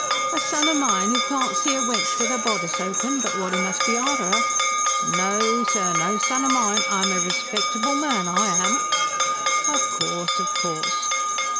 A son o' mine, who can't see a wench with 'er bodice open, but wot 'e must be arter 'er.... No, sir, no son o' mine! I'm a respectable man, I am!" "Of course, of course."